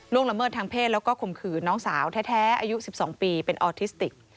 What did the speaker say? ละเมิดทางเพศแล้วก็ข่มขืนน้องสาวแท้อายุ๑๒ปีเป็นออทิสติก